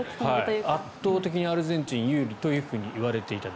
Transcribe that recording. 圧倒的にアルゼンチン有利と言われていた。